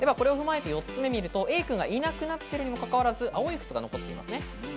４つ目を見るとＡくんがいなくなっているにもかかわらず、青い靴が残っています。